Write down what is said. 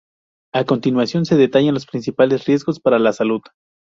A continuación, se detallan los principales riesgos para la salud.